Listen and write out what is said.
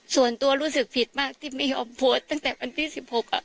ส่วนตัวรู้สึกผิดมากที่ไม่ยอมโพสต์ตั้งแต่วันที่๑๖